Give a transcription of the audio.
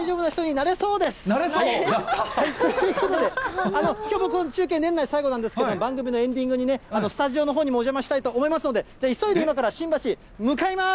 なれそう？ということで、きょう、僕の中継、年内最後なんですけれども、番組のエンディングにね、スタジオのほうにもお邪魔したいと思いますので、急いで今から新橋へ向かいます。